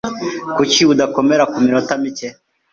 Kuki udakomera kuminota mike?